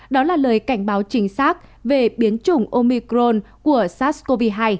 đó là lời cảnh báo chính xác về biến chủng omicron của sars cov hai